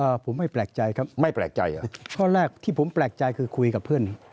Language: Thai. ผมไม่แปลกใจครับไม่แปลกใจเหรอข้อแรกที่ผมแปลกใจคือคุยกับเพื่อน